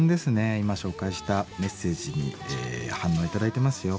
今紹介したメッセージに反応頂いてますよ。